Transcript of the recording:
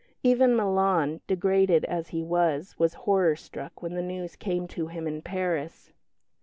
Even Milan, degraded as he was, was horror struck when the news came to him in Paris.